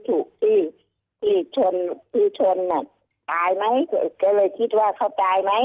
ถูกที่ที่ชนที่ชนอ่ะตายไหมก็เลยคิดว่าเขาตายไหม